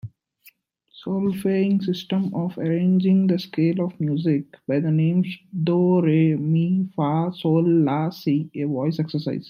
Solfaing system of arranging the scale of music by the names do, re, mi, fa, sol, la, si a voice exercise.